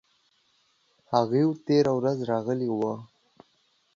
هغوی تیره ورځ راغلي وو